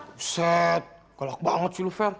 buset galak banget sih lo fer